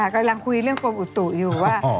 กำลังคุยเรื่องกรมอุตุอยู่ว่า